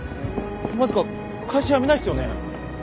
まさか会社辞めないっすよね？